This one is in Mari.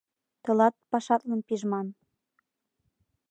— Тылат пашатлан пижман.